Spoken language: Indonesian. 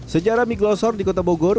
sejarah mie glosor di kota bogor